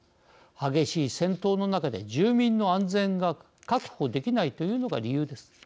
激しい戦闘の中で住民の安全が確保できないというのが理由です。